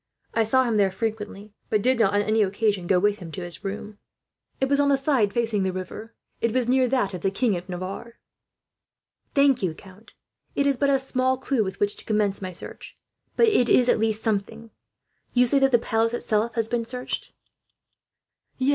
I saw him there frequently, but did not, on any occasion, go with him to his room." "It was on the side facing the river. It was near that of the King of Navarre." "Thank you, count. It is but a small clue with which to commence my search, but it is at least something. You say that the palace itself has been searched?" "Yes.